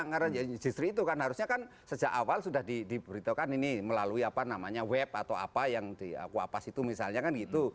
ya agak kurang karena industri itu kan harusnya kan sejak awal sudah diberitakan ini melalui apa namanya web atau apa yang di wapas itu misalnya kan gitu